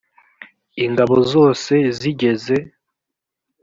ingabo zose zigeze